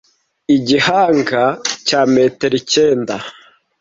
Igihanga cya metero icyenda